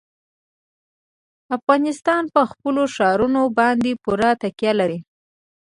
افغانستان په خپلو ښارونو باندې پوره تکیه لري.